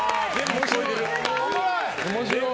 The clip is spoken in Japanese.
面白い。